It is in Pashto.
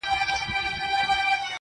د لوط د قوم د سچيدو به درته څه ووايم_